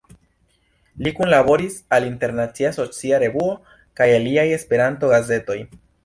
Li kunlaboris al "Internacia Socia Revuo" kaj aliaj Esperanto-gazetoj.